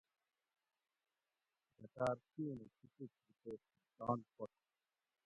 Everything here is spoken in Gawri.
دتاۤر چُونہ چوپوٹ ھو تے کھوپتان پک